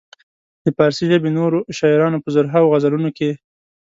د فارسي ژبې نورو شاعرانو په زرهاوو غزلونو کې.